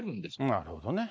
なるほどね。